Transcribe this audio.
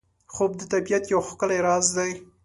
خوب د طبیعت یو ښکلی راز دی